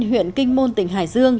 huyện kinh môn tỉnh hải dương